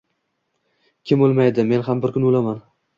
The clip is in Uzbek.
Kim o‘lmaydi, men ham bir kun o‘laman